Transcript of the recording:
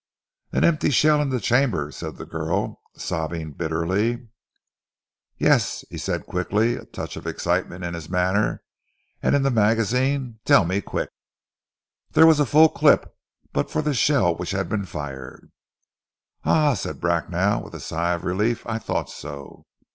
"An empty shell in the chamber," said the girl, sobbing bitterly. "Yes," he said quickly, a touch of excitement in his manner, "and in the magazine? Tell me, quick." "There was a full clip but for the shell which had been fired." "Ah!" said Bracknell with a sigh of relief. "I thought so.